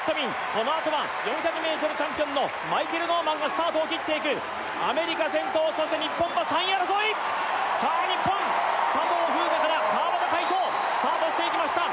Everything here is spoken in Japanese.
このあとは４００ｍチャンピオンのマイケル・ノーマンがスタートをきっていくアメリカ先頭そして日本は３位争いさあ日本佐藤風雅から川端魁人スタートしていきました